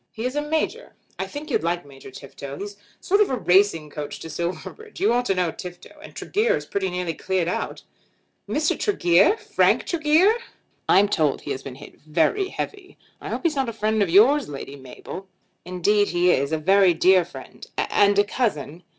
"He is a major. I think you'd like Major Tifto. He's a sort of racing coach to Silverbridge. You ought to know Tifto. And Tregear is pretty nearly cleared out." "Mr. Tregear! Frank Tregear!" "I'm told he has been hit very heavy. I hope he's not a friend of yours, Lady Mabel." "Indeed he is; a very dear friend and a cousin."